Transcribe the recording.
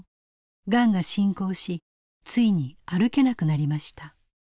がんが進行しついに歩けなくなりました。